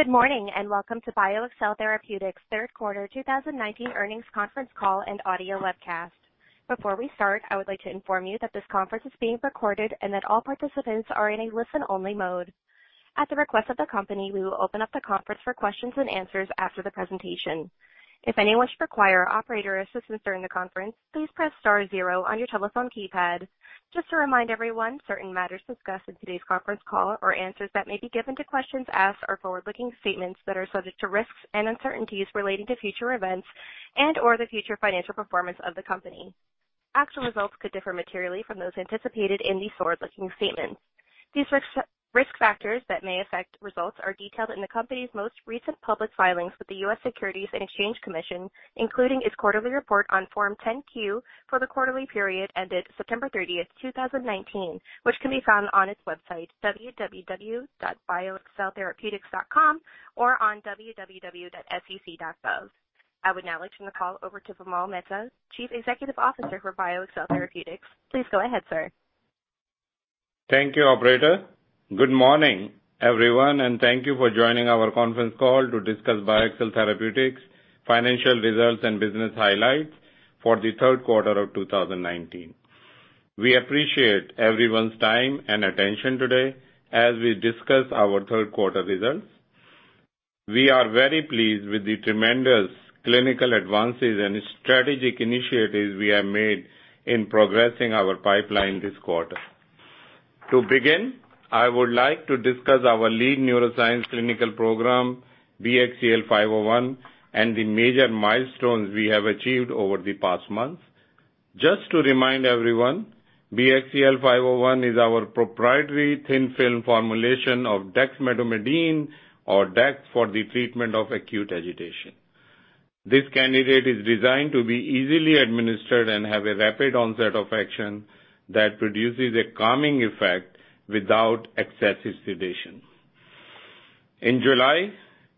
Good morning. Welcome to BioXcel Therapeutics' third quarter 2019 earnings conference call and audio webcast. Before we start, I would like to inform you that this conference is being recorded, and that all participants are in a listen-only mode. At the request of the company, we will open up the conference for questions and answers after the presentation. If anyone should require operator assistance during the conference, please press star zero on your telephone keypad. Just to remind everyone, certain matters discussed in today's conference call or answers that may be given to questions asked are forward-looking statements that are subject to risks and uncertainties relating to future events and/or the future financial performance of the company. Actual results could differ materially from those anticipated in these forward-looking statements. These risk factors that may affect results are detailed in the company's most recent public filings with the U.S. Securities and Exchange Commission, including its quarterly report on Form 10-Q for the quarterly period ended September 30th, 2019, which can be found on its website, www.bioxceltherapeutics.com, or on www.sec.gov. I would now like to turn the call over to Vimal Mehta, Chief Executive Officer for BioXcel Therapeutics. Please go ahead, sir. Thank you, operator. Good morning, everyone, and thank you for joining our conference call to discuss BioXcel Therapeutics' financial results and business highlights for the third quarter of 2019. We appreciate everyone's time and attention today as we discuss our third quarter results. We are very pleased with the tremendous clinical advances and strategic initiatives we have made in progressing our pipeline this quarter. To begin, I would like to discuss our lead neuroscience clinical program, BXCL501, and the major milestones we have achieved over the past months. Just to remind everyone, BXCL501 is our proprietary thin film formulation of dexmedetomidine or dex for the treatment of acute agitation. This candidate is designed to be easily administered and have a rapid onset of action that produces a calming effect without excessive sedation. In July,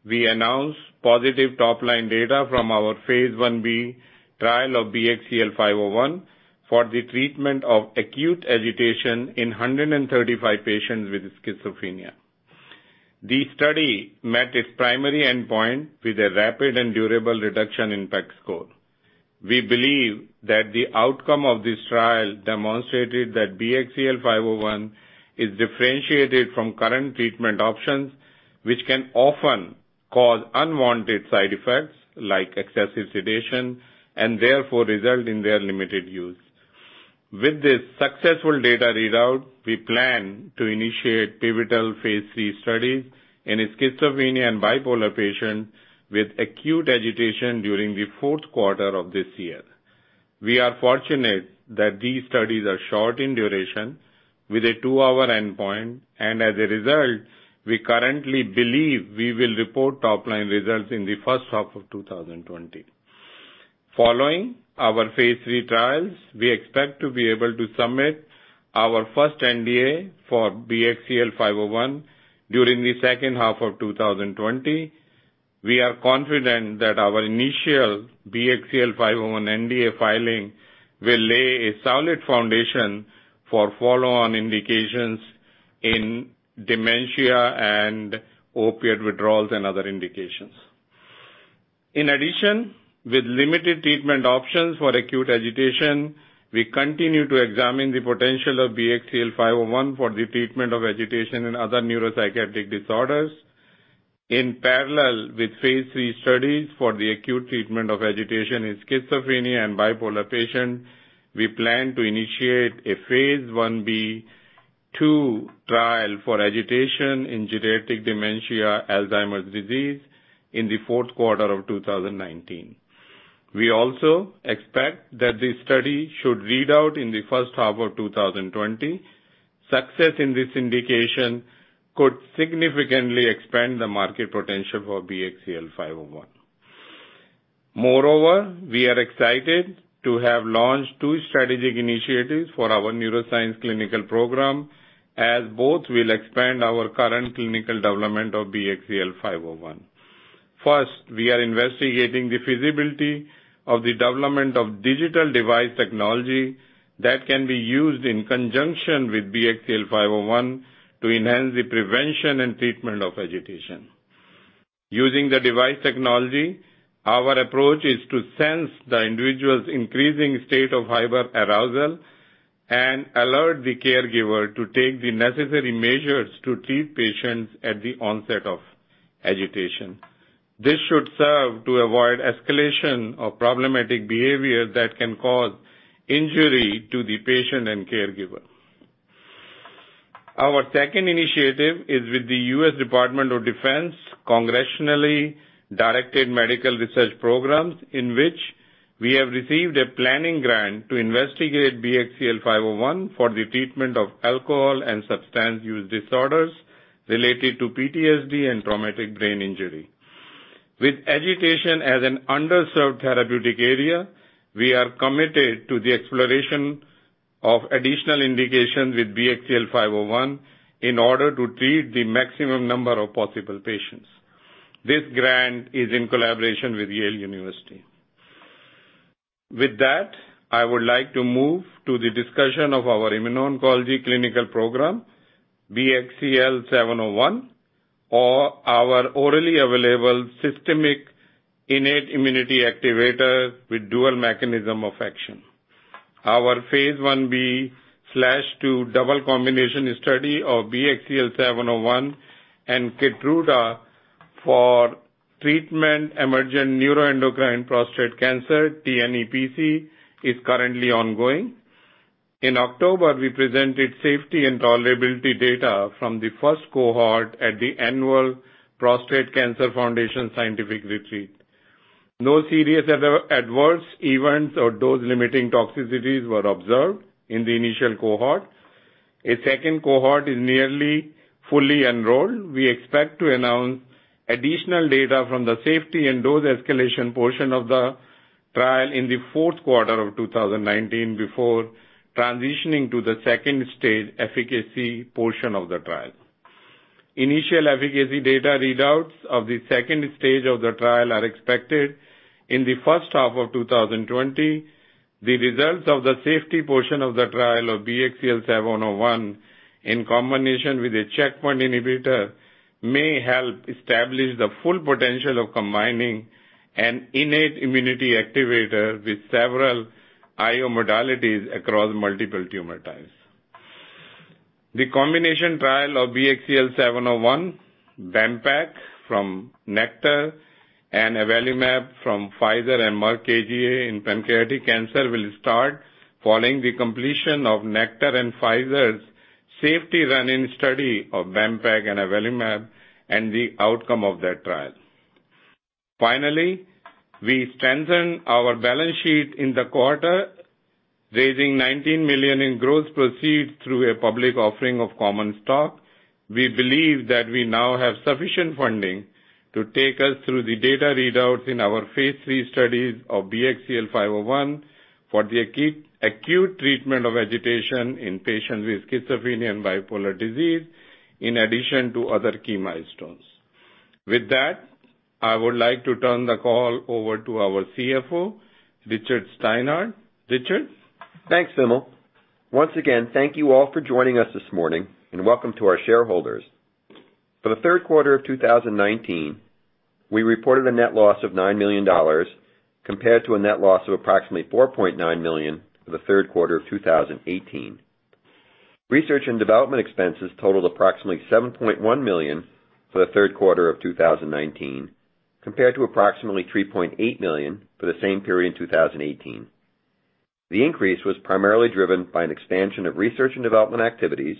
we announced positive top-line data from our phase I-B trial of BXCL501 for the treatment of acute agitation in 135 patients with schizophrenia. The study met its primary endpoint with a rapid and durable reduction in PEC score. We believe that the outcome of this trial demonstrated that BXCL501 is differentiated from current treatment options, which can often cause unwanted side effects like excessive sedation, and therefore result in their limited use. With this successful data readout, we plan to initiate pivotal phase III studies in schizophrenia and bipolar patients with acute agitation during the fourth quarter of this year. We are fortunate that these studies are short in duration with a two-hour endpoint, and as a result, we currently believe we will report top-line results in the first half of 2020. Following our phase III trials, we expect to be able to submit our first NDA for BXCL501 during the second half of 2020. We are confident that our initial BXCL501 NDA filing will lay a solid foundation for follow-on indications in dementia and opiate withdrawal and other indications. With limited treatment options for acute agitation, we continue to examine the potential of BXCL501 for the treatment of agitation and other neuropsychiatric disorders. In parallel with phase III studies for the acute treatment of agitation in schizophrenia and bipolar patients, we plan to initiate a phase I-B/II trial for agitation in geriatric dementia Alzheimer's disease in the fourth quarter of 2019. We also expect that the study should read out in the first half of 2020. Success in this indication could significantly expand the market potential for BXCL501. Moreover, we are excited to have launched two strategic initiatives for our neuroscience clinical program, as both will expand our current clinical development of BXCL501. First, we are investigating the feasibility of the development of digital device technology that can be used in conjunction with BXCL501 to enhance the prevention and treatment of agitation. Using the device technology, our approach is to sense the individual's increasing state of hyperarousal and alert the caregiver to take the necessary measures to treat patients at the onset of agitation. This should serve to avoid escalation of problematic behavior that can cause injury to the patient and caregiver. Our second initiative is with the US Department of Defense Congressionally Directed Medical Research Programs, in which we have received a planning grant to investigate BXCL501 for the treatment of alcohol and substance use disorders related to PTSD and traumatic brain injury. With agitation as an underserved therapeutic area, we are committed to the exploration of additional indications with BXCL501 in order to treat the maximum number of possible patients. This grant is in collaboration with Yale University. With that, I would like to move to the discussion of our immuno-oncology clinical program, BXCL701, or our orally available systemic innate immunity activator with dual mechanism of action. Our Phase I-B/II double combination study of BXCL701 and KEYTRUDA for treatment emergent neuroendocrine prostate cancer, TNEPC, is currently ongoing. In October, we presented safety and tolerability data from the first cohort at the Annual Prostate Cancer Foundation Scientific Retreat. No serious adverse events or dose-limiting toxicities were observed in the initial cohort. A second cohort is nearly fully enrolled. We expect to announce additional data from the safety and dose escalation portion of the trial in the fourth quarter of 2019 before transitioning to the stage 2 efficacy portion of the trial. Initial efficacy data readouts of the stage 2 of the trial are expected in the first half of 2020. The results of the safety portion of the trial of BXCL701 in combination with a checkpoint inhibitor may help establish the full potential of combining an innate immunity activator with several IO modalities across multiple tumor types. The combination trial of BXCL701, Bempeg from Nektar, and avelumab from Pfizer and Merck KGaA in pancreatic cancer will start following the completion of Nektar and Pfizer's safety run-in study of Bempeg and avelumab and the outcome of that trial. We strengthened our balance sheet in the quarter, raising $19 million in gross proceeds through a public offering of common stock. We believe that we now have sufficient funding to take us through the data readouts in our phase III studies of BXCL501 for the acute treatment of agitation in patients with schizophrenia and bipolar disease, in addition to other key milestones. With that, I would like to turn the call over to our CFO, Richard Steinhart. Richard? Thanks, Vimal. Once again, thank you all for joining us this morning, and welcome to our shareholders. For the third quarter of 2019, we reported a net loss of $9 million compared to a net loss of approximately $4.9 million for the third quarter of 2018. Research and development expenses totaled approximately $7.1 million for the third quarter of 2019, compared to approximately $3.8 million for the same period in 2018. The increase was primarily driven by an expansion of research and development activities,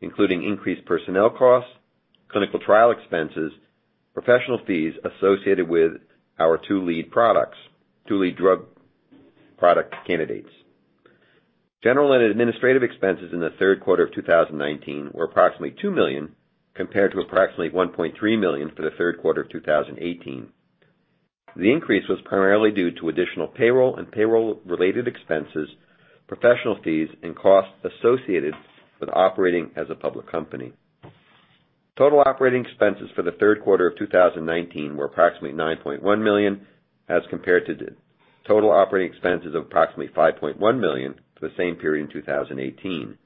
including increased personnel costs, clinical trial expenses, professional fees associated with our two lead products, two lead drug product candidates. General and administrative expenses in the third quarter of 2019 were approximately $2 million compared to approximately $1.3 million for the third quarter of 2018. The increase was primarily due to additional payroll and payroll-related expenses, professional fees, and costs associated with operating as a public company. Total operating expenses for the third quarter of 2019 were approximately $9.1 million as compared to total operating expenses of approximately $5.1 million for the same period in 2018.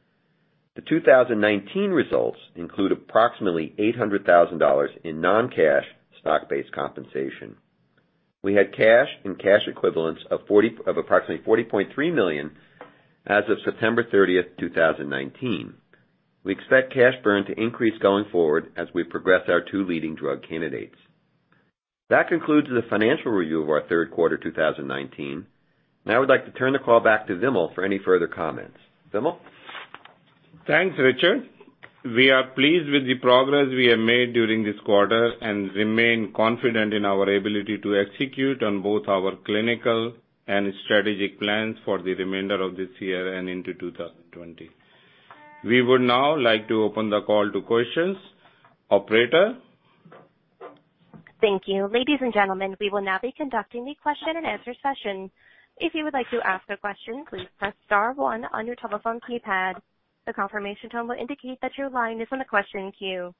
The 2019 results include approximately $800,000 in non-cash stock-based compensation. We had cash and cash equivalents of approximately $40.3 million as of September 30th, 2019. We expect cash burn to increase going forward as we progress our two leading drug candidates. That concludes the financial review of our third quarter 2019, and I would like to turn the call back to Vimal for any further comments. Vimal? Thanks, Richard. We are pleased with the progress we have made during this quarter and remain confident in our ability to execute on both our clinical and strategic plans for the remainder of this year and into 2020. We would now like to open the call to questions. Operator? Thank you. Ladies and gentlemen, we will now be conducting the question and answer session. If you would like to ask a question, please press star one on your telephone keypad. The confirmation tone will indicate that your line is in the question queue.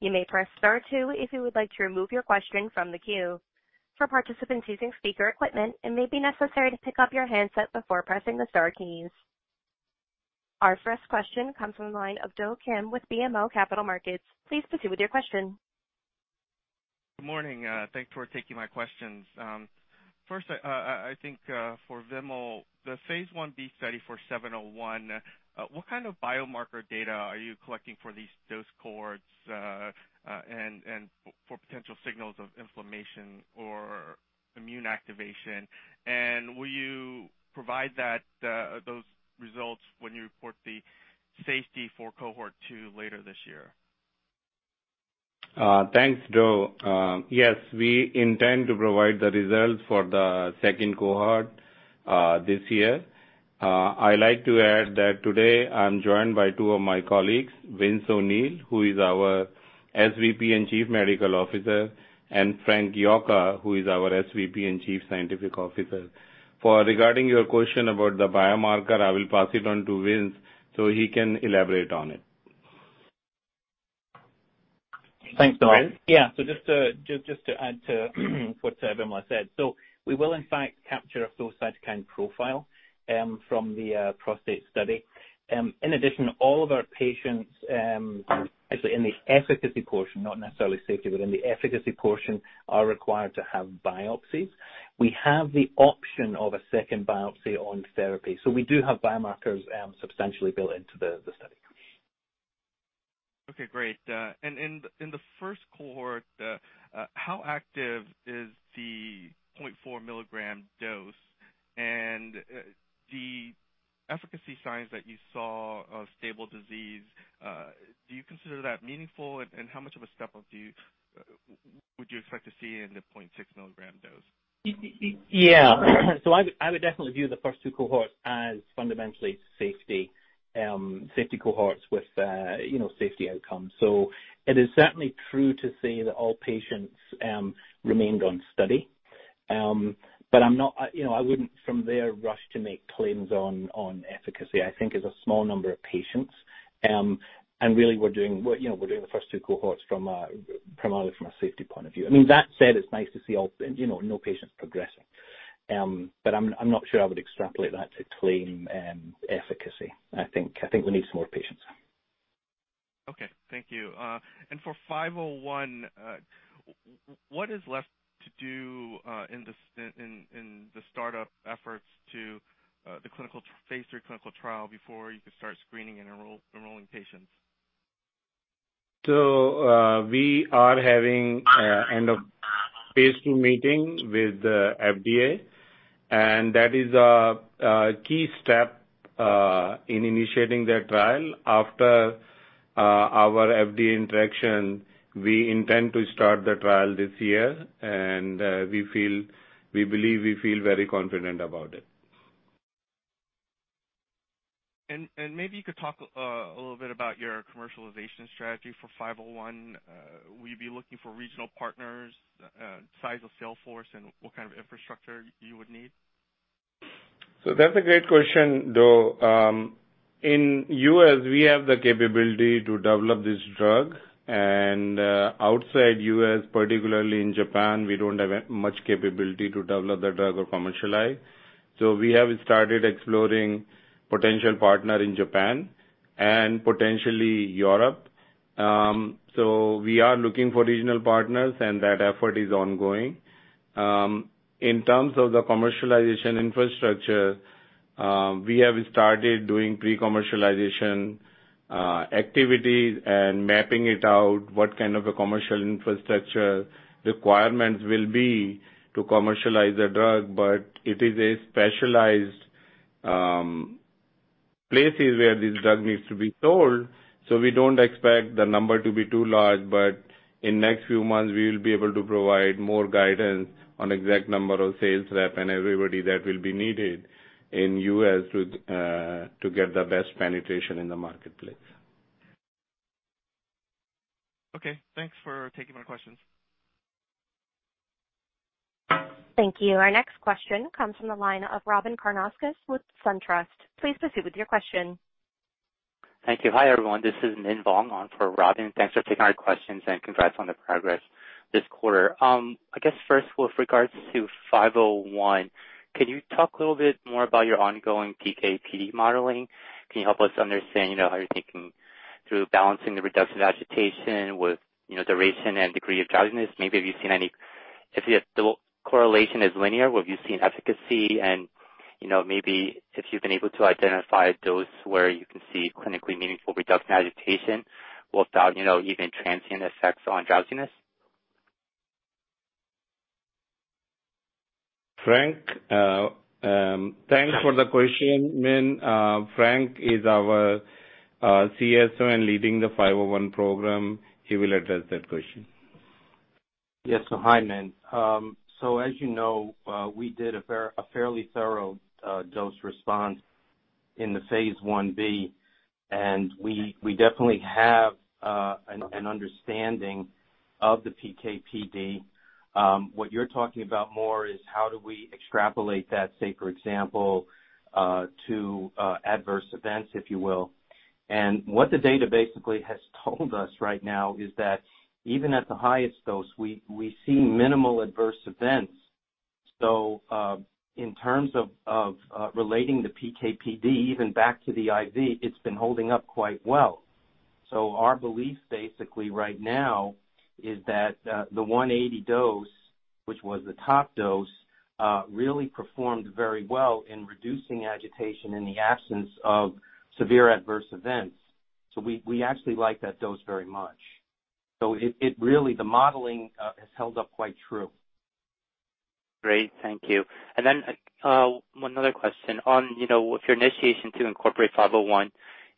You may press star two if you would like to remove your question from the queue. For participants using speaker equipment, it may be necessary to pick up your handset before pressing the star keys. Our first question comes from the line of Do Kim with BMO Capital Markets. Please proceed with your question. Good morning. Thanks for taking my questions. First, I think, for Vimal, the phase I-B study for 701, what kind of biomarker data are you collecting for these dose cohorts, and for potential signals of inflammation or immune activation? Will you provide those results when you report the safety for cohort 2 later this year? Thanks, Do. Yes, we intend to provide the results for the second cohort this year. I like to add that today I'm joined by two of my colleagues, Vince O'Neill, who is our SVP and Chief Medical Officer, and Frank Yocca, who is our SVP and Chief Scientific Officer. Regarding your question about the biomarker, I will pass it on to Vince so he can elaborate on it. Thanks, Vimal. Just to add to what Vimal said. We will in fact capture a cytokine profile from the prostate study. In addition, all of our patients, actually in the efficacy portion, not necessarily safety, but in the efficacy portion, are required to have biopsies. We have the option of a second biopsy on therapy. We do have biomarkers substantially built into the study. Okay, great. In the first cohort, how active is the 0.4 milligram dose and the efficacy signs that you saw of stable disease, do you consider that meaningful, and how much of a step-up do you expect to see in the 0.6 milligram dose? I would definitely view the first 2 cohorts as fundamentally safety cohorts with safety outcomes. It is certainly true to say that all patients remained on study. I wouldn't, from there, rush to make claims on efficacy. I think it's a small number of patients. Really, we're doing the first 2 cohorts primarily from a safety point of view. That said, it's nice to see no patients progressing. I'm not sure I would extrapolate that to claim efficacy. I think we need some more patients. Okay. Thank you. For 501, what is left to do in the startup efforts to the clinical phase or clinical trial before you can start screening and enrolling patients? We are having end of phase II meetings with the FDA, and that is a key step in initiating their trial. After our FDA interaction, we intend to start the trial this year. We believe we feel very confident about it. Maybe you could talk a little bit about your commercialization strategy for 501. Will you be looking for regional partners, size of sales force, and what kind of infrastructure you would need? That's a great question, though. In U.S., we have the capability to develop this drug, and outside U.S., particularly in Japan, we don't have much capability to develop the drug or commercialize. We have started exploring potential partner in Japan and potentially Europe. We are looking for regional partners, and that effort is ongoing. In terms of the commercialization infrastructure, we have started doing pre-commercialization activities and mapping it out, what kind of a commercial infrastructure requirements will be to commercialize the drug. It is a specialized places where this drug needs to be sold. We don't expect the number to be too large, but in next few months, we'll be able to provide more guidance on exact number of sales rep and everybody that will be needed in U.S. to get the best penetration in the marketplace. Okay. Thanks for taking my questions. Thank you. Our next question comes from the line of Robyn Karnauskas with SunTrust. Please proceed with your question. Thank you. Hi, everyone. This is Minh Vuong on for Robyn. Thanks for taking our questions, and congrats on the progress this quarter. I guess first, with regards to 501, can you talk a little bit more about your ongoing PK/PD modeling? Can you help us understand how you're thinking through balancing the reduction agitation with duration and degree of drowsiness? If the correlation is linear, have you seen efficacy and maybe if you've been able to identify those where you can see clinically meaningful reduction agitation without even transient effects on drowsiness? Frank. Thanks for the question, Minh. Frank is our CSO and leading the 501 program. He will address that question. Yes. Hi, Minh. As you know, we did a fairly thorough dose response in the Phase I-B, and we definitely have an understanding of the PK/PD. What you're talking about more is how do we extrapolate that, say, for example, to adverse events, if you will. What the data basically has told us right now is that even at the highest dose, we see minimal adverse events. In terms of relating the PK/PD, even back to the IV, it's been holding up quite well. Our belief basically right now is that the 180 dose, which was the top dose, really performed very well in reducing agitation in the absence of severe adverse events. We actually like that dose very much. Really, the modeling has held up quite true. Great. Thank you. One other question. On your initiation to incorporate 501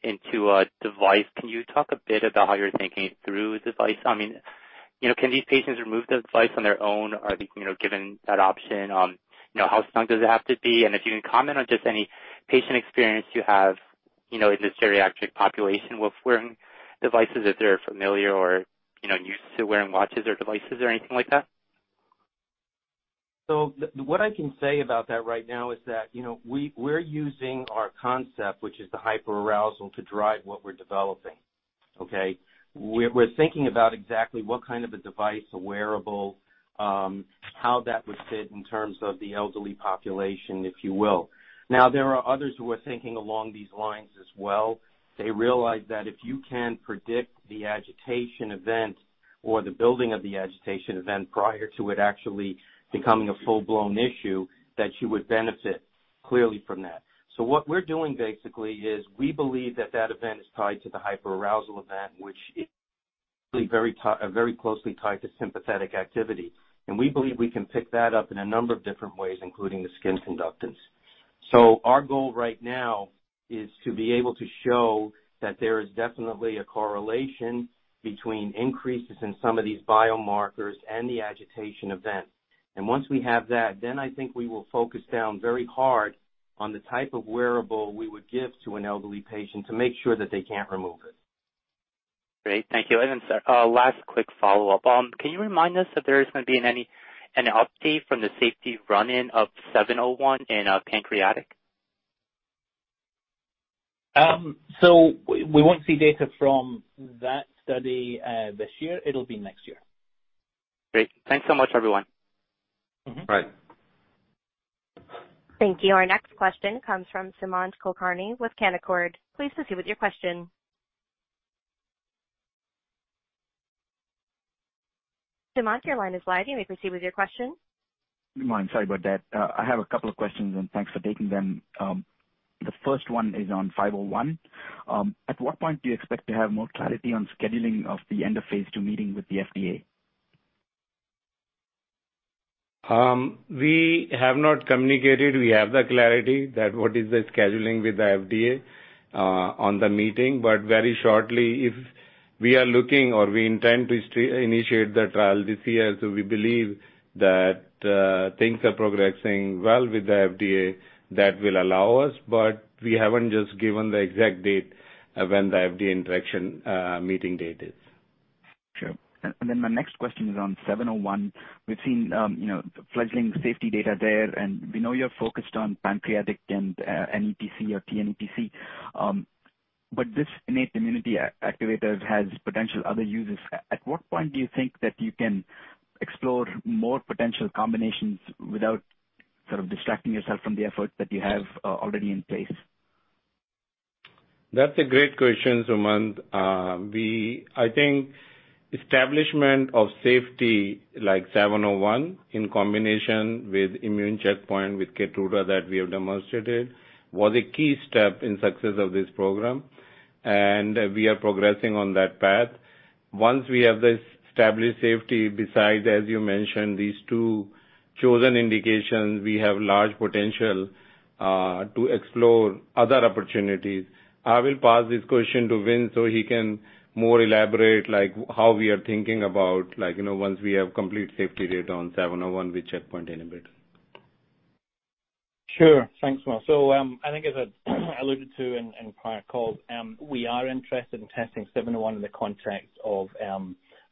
into a device, can you talk a bit about how you're thinking through device? Can these patients remove the device on their own? Are they given that option? How strong does it have to be? If you can comment on just any patient experience you have in the geriatric population with wearing devices, if they're familiar or used to wearing watches or devices or anything like that? What I can say about that right now is that we're using our concept, which is the hyperarousal, to drive what we're developing. Okay? We're thinking about exactly what kind of a device, a wearable, how that would fit in terms of the elderly population, if you will. Now, there are others who are thinking along these lines as well. They realize that if you can predict the agitation event or the building of the agitation event prior to it actually becoming a full-blown issue, that you would benefit clearly from that. What we're doing basically is we believe that that event is tied to the hyperarousal event, which is very closely tied to sympathetic activity. We believe we can pick that up in a number of different ways, including the skin conductance. Our goal right now is to be able to show that there is definitely a correlation between increases in some of these biomarkers and the agitation event. Once we have that, I think we will focus down very hard on the type of wearable we would give to an elderly patient to make sure that they can't remove it. Great. Thank you. Last quick follow-up. Can you remind us if there is going to be an update from the safety run-in of 701 in pancreatic? We won't see data from that study this year. It'll be next year. Great. Thanks so much, everyone. Right. Thank you. Our next question comes from Sumant Kulkarni with Canaccord. Please proceed with your question. Sumant, your line is live. You may proceed with your question. Sumant, sorry about that. I have a couple of questions and thanks for taking them. The first one is on 501. At what point do you expect to have more clarity on scheduling of the end of phase II meeting with the FDA? We have not communicated. We have the clarity that what is the scheduling with the FDA on the meeting. Very shortly, if we are looking or we intend to initiate the trial this year, we believe that things are progressing well with the FDA, that will allow us. We haven't just given the exact date of when the FDA interaction meeting date is. Sure. My next question is on 701. We've seen fledgling safety data there, and we know you're focused on pancreatic and NETc or pNETc. This innate immunity activator has potential other uses. At what point do you think that you can explore more potential combinations without sort of distracting yourself from the efforts that you have already in place? That's a great question, Sumant. I think establishment of safety like BXCL701 in combination with immune checkpoint with KEYTRUDA that we have demonstrated was a key step in success of this program, and we are progressing on that path. Once we have this established safety besides, as you mentioned, these two chosen indications, we have large potential to explore other opportunities. I will pass this question to Vince so he can more elaborate, like how we are thinking about once we have complete safety data on BXCL701 with checkpoint inhibitor. Sure. Thanks. I think as I alluded to in prior calls, we are interested in testing 701 in the context of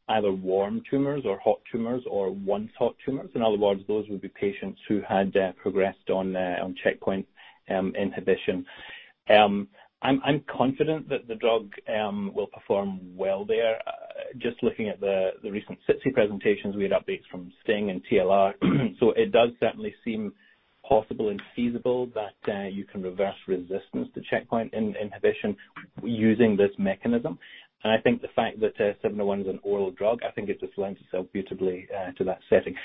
either warm tumors or hot tumors or once hot tumors. In other words, those would be patients who had progressed on checkpoint inhibition. I'm confident that the drug will perform well there. Just looking at the recent SITC presentations, we had updates from STING and TLR. It does certainly seem possible and feasible that you can reverse resistance to checkpoint inhibition using this mechanism. I think the fact that 701 is an oral drug, it just lends itself beautifully to that setting.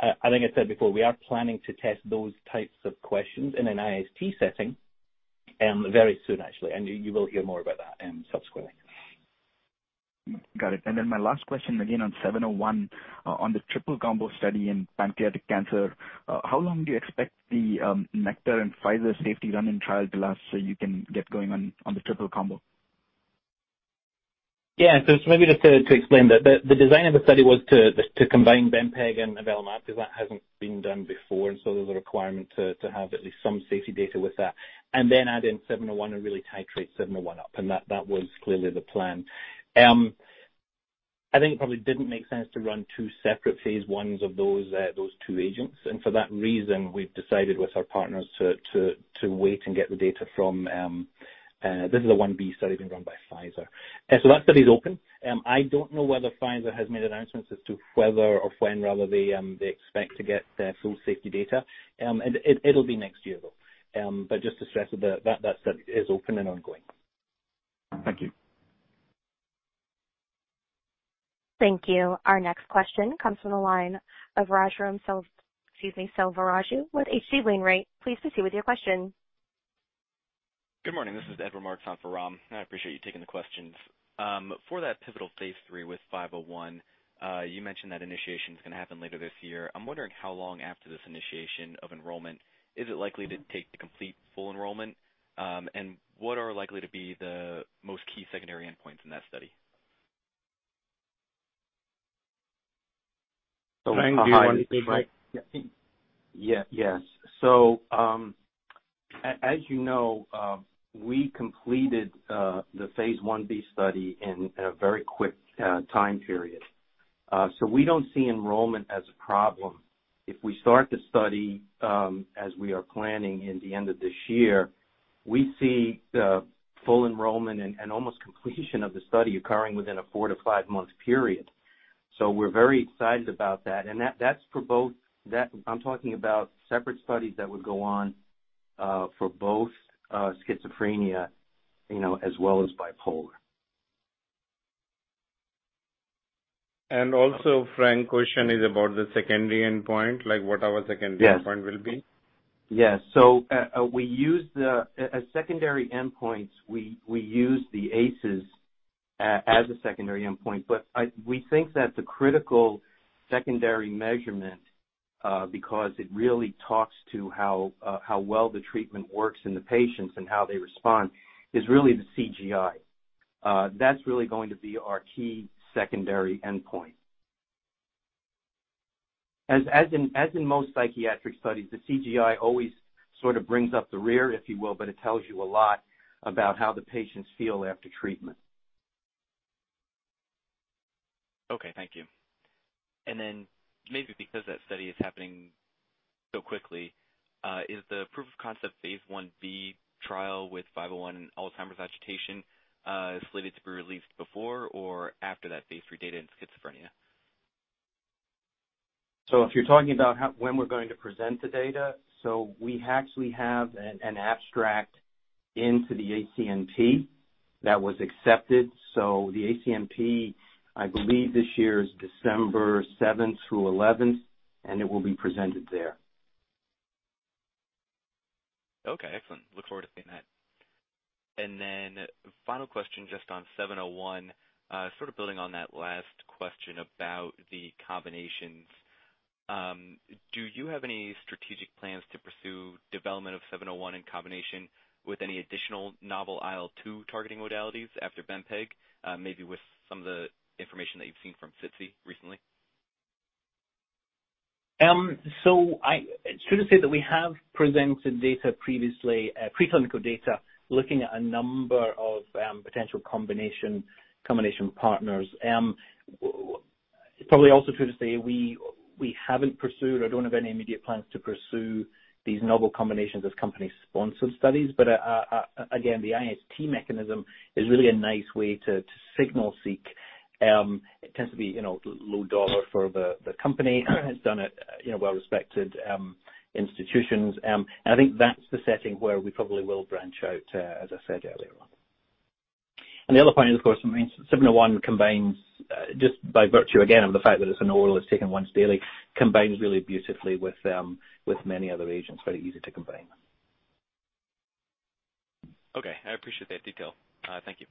I think I said before, we are planning to test those types of questions in an IST setting very soon, actually. You will hear more about that subsequently. Got it. My last question, again on 701, on the triple combo study in pancreatic cancer, how long do you expect the Nektar and Pfizer safety run-in trial to last so you can get going on the triple combo? Yeah. Maybe just to explain, the design of the study was to combine bempeg and avelumab because that hasn't been done before, and so there's a requirement to have at least some safety data with that and then add in 701 and really titrate 701 up. That was clearly the plan. I think it probably didn't make sense to run two separate phase I of those two agents, and for that reason, we've decided with our partners to wait and get the data from This is a phase I-B study being run by Pfizer. That study is open. I don't know whether Pfizer has made announcements as to whether or when rather they expect to get full safety data. It'll be next year, though. Just to stress that study is open and ongoing. Thank you. Thank you. Our next question comes from the line of Raghuram Selvaraju with H.C. Wainwright Please proceed with your question. Good morning. This is Edward Marks on for Ram. I appreciate you taking the questions. For that pivotal phase III with 501, you mentioned that initiation is going to happen later this year. I'm wondering how long after this initiation of enrollment is it likely to take to complete full enrollment? What are likely to be the most key secondary endpoints in that study? Frank, do you want to take that? Yes. As you know, we completed the phase I-B study in a very quick time period. We don't see enrollment as a problem. If we start the study, as we are planning, in the end of this year, we see full enrollment and almost completion of the study occurring within a four to five-month period. We're very excited about that. That's for both. I'm talking about separate studies that would go on for both schizophrenia as well as bipolar. Also, Frank, question is about the secondary endpoint, like what our secondary endpoint will be? Yes. As secondary endpoints, we use the ACES as a secondary endpoint. We think that the critical secondary measurement, because it really talks to how well the treatment works in the patients and how they respond, is really the CGI. That's really going to be our key secondary endpoint. As in most psychiatric studies, the CGI always sort of brings up the rear, if you will, but it tells you a lot about how the patients feel after treatment. Okay, thank you. Maybe because that study is happening so quickly, is the proof of concept phase I-B trial with 501 Alzheimer's agitation slated to be released before or after that phase III data in schizophrenia? If you're talking about when we're going to present the data, so we actually have an abstract into the ACNP that was accepted. The ACNP, I believe this year is December 7th through 11th, and it will be presented there. Okay, excellent. Look forward to seeing that. Final question just on BXCL701, sort of building on that last question about the combinations. Do you have any strategic plans to pursue development of BXCL701 in combination with any additional novel IL-2 targeting modalities after bempeg, maybe with some of the information that you've seen from SITC recently? It's true to say that we have presented data previously, preclinical data, looking at a number of potential combination partners. It's probably also true to say we haven't pursued or don't have any immediate plans to pursue these novel combinations as company-sponsored studies. Again, the IST mechanism is really a nice way to signal seek. It tends to be low dollar for the company, and it's done at well-respected institutions. I think that's the setting where we probably will branch out, as I said earlier on. The other point, of course, 701 combines just by virtue, again, of the fact that it's an oral that's taken once daily, combines really beautifully with many other agents. Very easy to combine. Okay. I appreciate that detail. Thank you.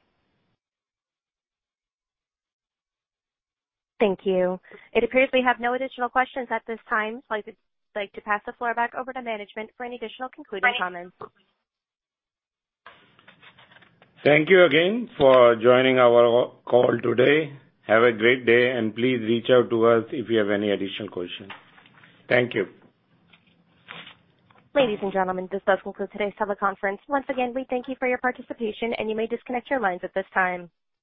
Thank you. It appears we have no additional questions at this time. I'd like to pass the floor back over to management for any additional concluding comments. Thank you again for joining our call today. Have a great day, and please reach out to us if you have any additional questions. Thank you. Ladies and gentlemen, this does conclude today's teleconference. Once again, we thank you for your participation. You may disconnect your lines at this time.